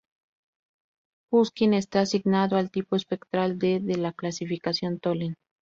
Pushkin está asignado al tipo espectral D de la clasificación Tholen.